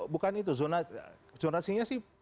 bukan itu zonasinya sih